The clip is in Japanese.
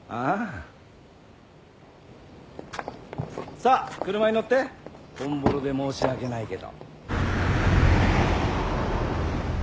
さぁ車に乗ってオンボロで申し訳ないけど。